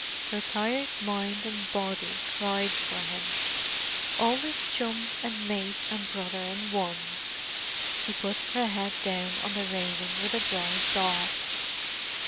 Her tired mind and body cried for him; always chum and mate and brother in one. She put her head down on the railing with a dry sob.